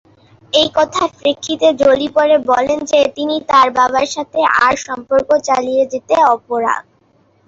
এই কথার প্রেক্ষিতে জোলি পরে বলেন যে, তিনি তার বাবার সাথে আর সম্পর্ক চালিয়ে যেতে অপারগ।